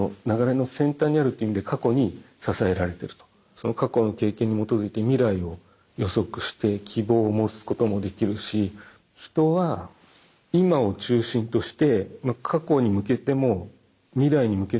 我々の過去の経験に基づいて未来を予測して希望を持つこともできるし他の動物に比べて。